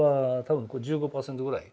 多分１５％ぐらい。